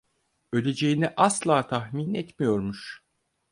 Öleceğini asla tahmin etmiyormuş.